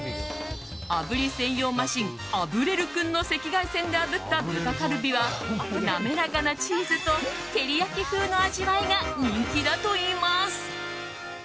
あぶり専用マシンあぶれるくんの赤外線であぶった豚カルビは滑らかなチーズと照り焼き風の味わいが人気だといいます。